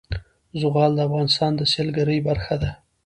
زغال د افغانستان د سیلګرۍ برخه ده.